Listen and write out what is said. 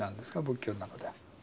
仏教の中では。